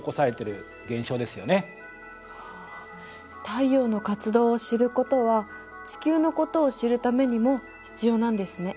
太陽の活動を知ることは地球のことを知るためにも必要なんですね。